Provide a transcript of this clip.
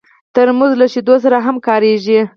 ترموز له شیدو سره هم کارېږي.